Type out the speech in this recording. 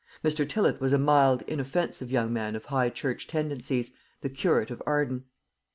Mr. Tillott was a mild inoffensive young man of High church tendencies, the curate of Arden.